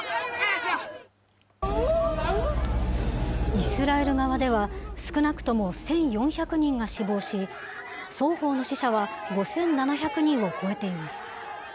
イスラエル側では少なくとも１４００人が死亡し、双方の死者は５７００人を超えています。